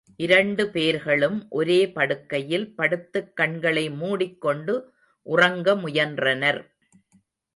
இரண்டு பேர்களும் ஒரே படுக்கையில் படுத்துக் கண்களை மூடிக்கொண்டு உறங்க முயன்றனர்.